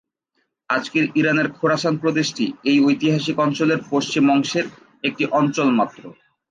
আজকের ইরানের খোরাসান প্রদেশটি এই ঐতিহাসিক অঞ্চলের পশ্চিম অংশের একটি অঞ্চল মাত্র।